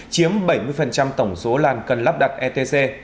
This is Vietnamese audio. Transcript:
chiếm bảy mươi tổng số làn cần lắp đặt etc